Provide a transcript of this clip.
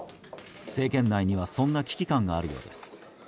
政権内にはそんな危機感があるようです。